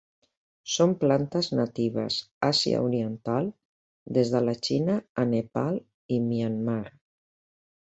Són plantes natives Àsia oriental, des de la Xina a Nepal i Myanmar.